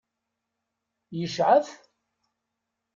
Yecɛef?